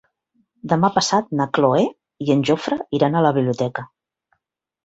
Demà passat na Cloè i en Jofre iran a la biblioteca.